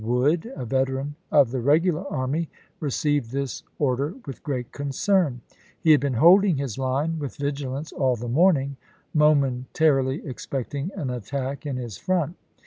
Wood, a veteran of the regular sept.20, army, received this order with gi'eat concern. He ha.m. had been holding his line with vigilance all the morning, momentarily expecting an attack in his front.